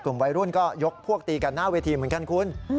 วัยรุ่นก็ยกพวกตีกันหน้าเวทีเหมือนกันคุณ